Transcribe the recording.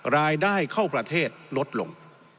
รายได้เข้าประเทศลดลง